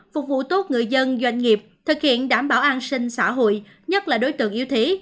phục vụ tốt người dân doanh nghiệp thực hiện đảm bảo an sinh xã hội nhất là đối tượng yếu thế